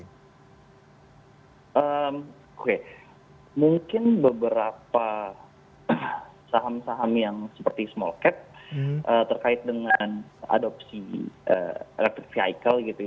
oke mungkin beberapa saham saham yang seperti small cap terkait dengan adopsi electric vehicle gitu ya